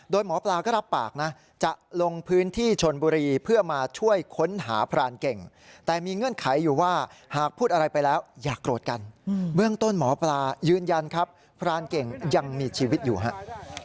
โดยหมอปลาก็รับปากนะจะลงพื้นที่ชนบุรีเพื่อมาช่วยค้นหาพรานเก่งแต่มีเงื่อนไขอยู่ว่าหากพูดอะไรไปแล้วอย่าโกรธกันเบื้องต้นหมอปลายืนยันครับพรานเก่งยังมีชีวิตอยู่ครับ